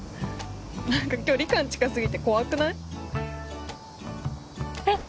なんか距離感近すぎて怖くない？え？